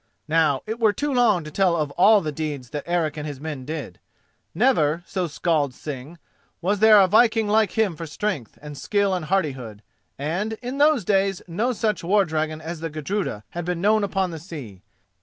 Now it were too long to tell of all the deeds that Eric and his men did. Never, so scalds sing, was there a viking like him for strength and skill and hardihood, and, in those days, no such war dragon as the Gudruda had been known upon the sea.